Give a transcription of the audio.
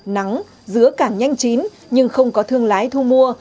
nắng dứa càng nhanh chín nhưng không có thương lái thu mua